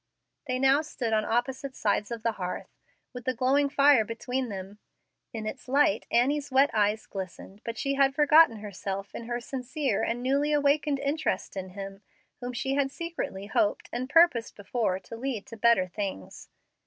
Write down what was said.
They now stood on opposite sides of the hearth, with the glowing fire between them. In its light Annie's wet eyes glistened, but she had forgotten herself in her sincere and newly awakened interest in him whom she had secretly hoped and purposed before to lead to better things.